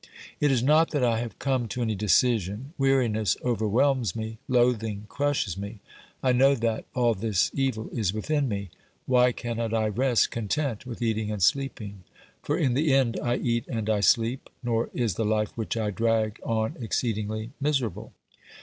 It is not that I have come to any decision. Weari ness overwhelms me, loathing crushes me. I know that all this evil is within me. Why cannot I rest content with eating and sleeping? For in the end I eat and I sleep, nor is the life which I drag on exceedingly miserable.